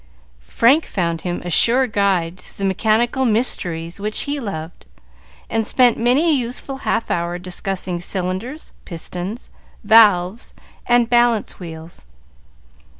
Frank found him a sure guide through the mechanical mysteries which he loved, and spent many a useful half hour discussing cylinders, pistons, valves, and balance wheels.